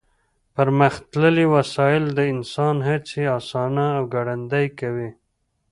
پرمختللې وسایل د انسان هڅې اسانه او ګړندۍ کوي.